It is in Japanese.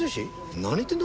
何言ってるんだ？